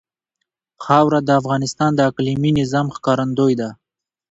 خاوره د افغانستان د اقلیمي نظام ښکارندوی ده.